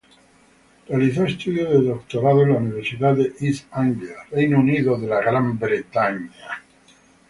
Realizó estudios de doctorado en la Universidad de East Anglia, Reino Unido.